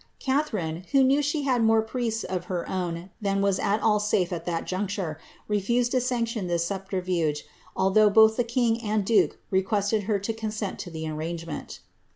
Catharine, who knew she had more priests of her own tliun was at all safe at that juncture, refused to sanction this subterfuge, although both tlie king and duke requested her to consent to the arrangement.'